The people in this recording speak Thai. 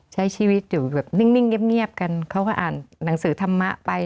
ใช้ชีวิตอยู่แบบนิ่งเงียบกันเขาก็อ่านหนังสือธรรมะไป